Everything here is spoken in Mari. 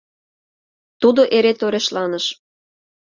Тудо эре торешланыш.